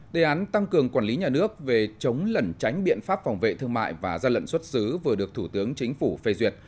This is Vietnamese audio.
đề án tăng cường quản lý nhà nước về chống lẩn tránh biện pháp phòng vệ thương mại và gian lận xuất xứ vừa được thủ tướng chính phủ phê duyệt